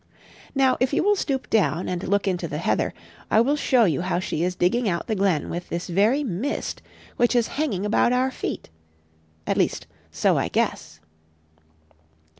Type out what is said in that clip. Now if you will stoop down and look into the heather, I will show you how she is digging out the glen with this very mist which is hanging about our feet. At least, so I guess.